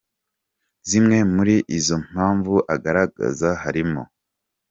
Zimwe muri izo mpamvu agaragaza harimo:.